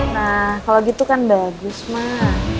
nah kalau gitu kan bagus mah